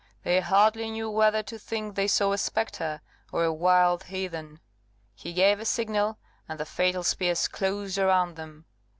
They hardly knew whether to think they saw a spectre, or a wild heathen; he gave a signal, and the fatal spears closed around them.